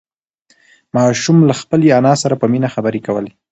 ماشوم له خپلې انا سره په مینه خبرې کولې